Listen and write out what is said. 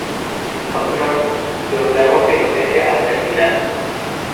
Hauptmann proclamó su inocencia hasta el final.